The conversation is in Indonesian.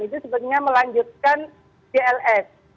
itu sebetulnya melanjutkan jls